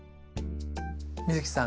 美月さん